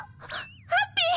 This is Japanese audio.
ハッピー！